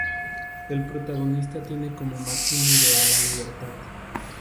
El protagonista tiene como máximo ideal la libertad.